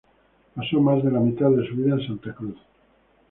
Pasó más de la mitad de su vida en Santa Cruz.